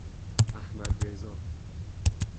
احمدرضا